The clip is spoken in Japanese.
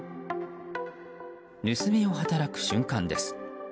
盗みを働く瞬間です。